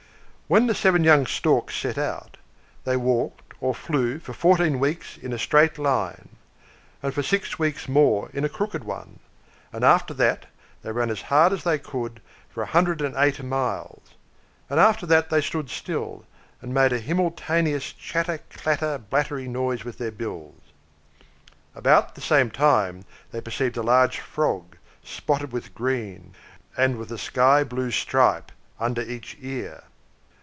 When the seven young Storks set out, they walked or flew for fourteen weeks in a straight line, and for six weeks more in a crooked one; and after that they ran as hard as they could for one hundred and eight miles; and after that they stood still, and made a himmeltanious chatter clatter blattery noise with their bills. About the same time they perceived a large frog, spotted with green, and with a sky blue stripe under each ear.